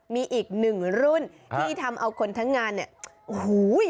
มีอีกหนึ่งรุ่นที่ทำเอาคนทั้งงานเนี่ยโอ้โห